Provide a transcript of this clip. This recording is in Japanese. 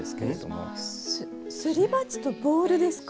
すり鉢とボールですか？